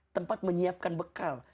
tempat menyiapkan bekal